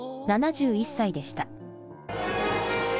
７１歳でした。